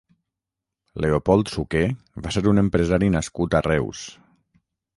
Leopold Suqué va ser un empresari nascut a Reus.